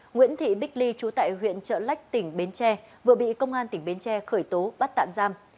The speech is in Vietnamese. nguyễn thị bích ly trú tại huyện trợ lách tỉnh bến tre vừa bị công an tỉnh bến tre khởi tố bắt tạm giam